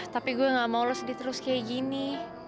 tapi gue gak mau lo sedih terus kayak gini